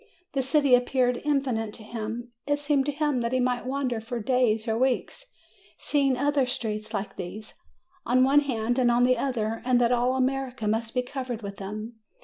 The city appeared infinite to him; it se'emed to him that he might wander for days or weeks, seeing other streets like these, on one hand and on the other, and that all America must be covered with them.